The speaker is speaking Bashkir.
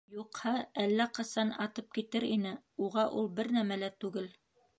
Юҡһа әллә ҡасан атып китер ине, уға ул бер нәмә лә түгел.